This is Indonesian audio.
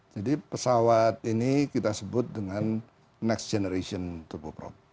jadi pesawat ini kita sebut dengan next generation turboprop